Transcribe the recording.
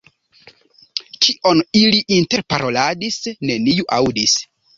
Kion ili interparoladis, neniu aŭdis.